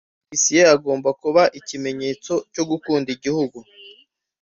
ofisiye agomba kuba ikimenyetso cyo gukunda igihugu